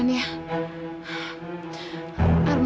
arman panggil budai kamu